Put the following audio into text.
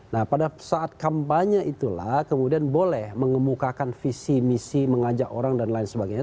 nah pada saat kampanye itulah kemudian boleh mengemukakan visi misi mengajak orang dan lain sebagainya